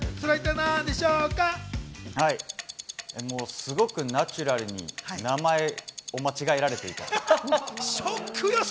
すごくナチュラルに名前を間違えられていた。